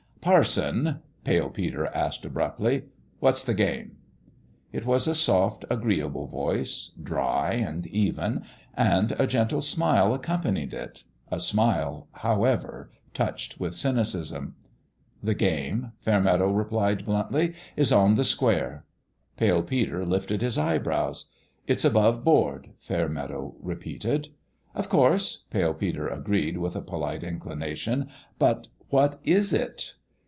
" Parson," Pale Peter asked, abruptly, " what's the game ?" It was a soft, agreeable voice, dry and even ; and a gentle smile accompanied it a smile, however, touched with cynicism. 66 PALE PETER'S GAME "The game," Fairmeadow replied, bluntly, " is on the square." Pale Peter lifted his eyebrows. " It's aboveboard," Fairmeadow repeated. " Of course," Pale Peter agreed, with a polite inclination ;" but what is it